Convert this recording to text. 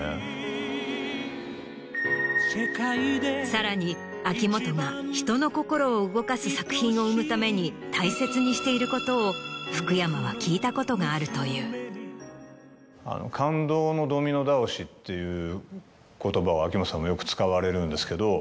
さらに秋元が人の心を動かす作品を生むために大切にしていることを福山は聞いたことがあるという。っていう言葉を秋元さんもよく使われるんですけど。